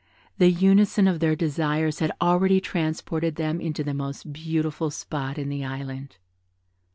The unison of their desires had already transported them into the most beautiful spot in the Island.